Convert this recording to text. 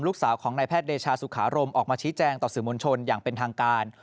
ลูกสาวของนายแพทย์เดชาสุขารมออกมาชี้แจงต่อสื่อมวลชนอย่างเป็นทางการ